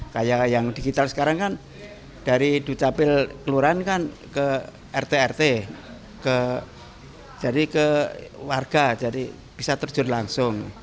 kayak yang digital sekarang kan dari ducapil kelurahan kan ke rt rt jadi ke warga jadi bisa terjun langsung